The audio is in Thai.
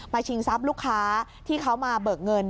ชิงทรัพย์ลูกค้าที่เขามาเบิกเงิน